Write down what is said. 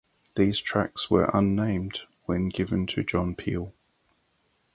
These tracks were unnamed when given to John Peel.